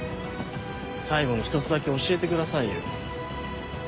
最後に１つだけ教えてくださいよ。